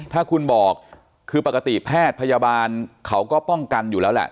ถ้าคุณบอกคือปกติแพทย์พยาบาลเขาก็ป้องกันอยู่แล้วแหละ